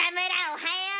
おはよう。